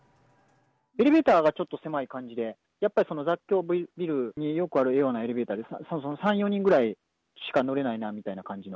エレベーターがちょっと狭い感じで、やっぱり、その雑居ビルによくあるようなエレベーターで、３、４人ぐらいしか乗れないなみたいな感じの。